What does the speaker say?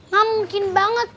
gak mungkin banget